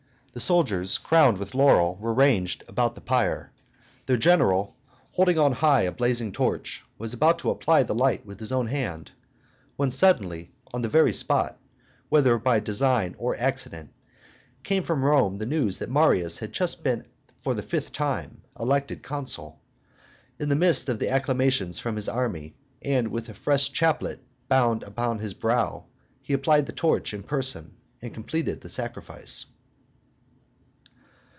The soldiers, crowned with laurel, were ranged about the pyre; their general, holding on high a blazing torch, was about to apply the light with his own hand, when suddenly, on the very spot, whether by design or accident, came from Rome the news that Marius had just been for the fifth time elected consul. In the midst of acclamations from his army, and with a fresh chaplet bound upon his brow, he applied the torch in person, and completed the sacrifice.